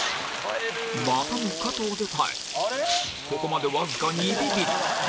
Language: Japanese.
またも加藤で耐えここまでわずか２ビビリ